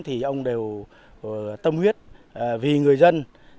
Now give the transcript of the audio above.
thì ông đều tâm huyết vì người dân